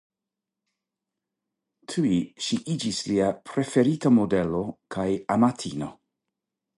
Tuj ŝi iĝis lia preferita modelo kaj amantino.